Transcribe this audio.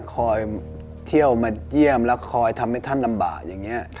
คอยเที่ยวมาเยี่ยมแล้วคอยทำให้ท่านลำบากอย่างนี้